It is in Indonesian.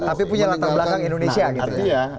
tapi punya latar belakang indonesia